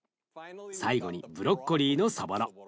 最後にブロッコリーのそぼろ。